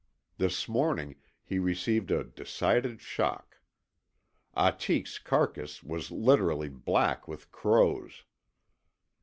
This morning he received a decided shock. Ahtik's carcass was literally black with crows.